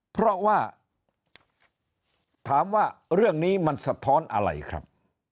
เพราะว่าถามว่าเรื่องนี้มันสะท้อนอะไรครับ